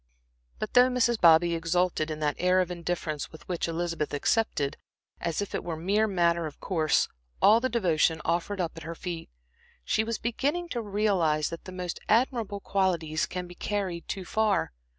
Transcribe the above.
But though Mrs. Bobby exulted in that air of indifference with which Elizabeth accepted, as if it were a mere matter of course, all the devotion offered up at her feet, she was beginning to realize that the most admirable qualities can be carried too far.